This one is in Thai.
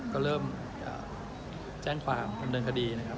ก็เริ่มแจ้งความดำเนินคดีนะครับ